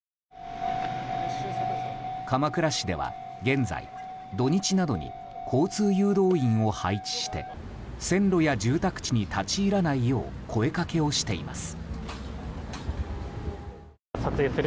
鎌倉市では現在、土日などに交通誘導員を配置して線路や住宅地に立ち入らないよう声かけをしています。